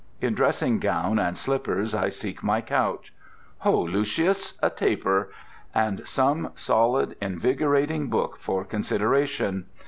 In dressing gown and slippers I seek my couch; Ho, Lucius, a taper! and some solid, invigorating book for consideration.